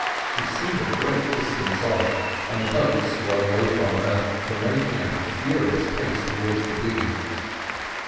She seemed a great distance off, and the boats, well away from her, were making at a furious pace towards the dinghy.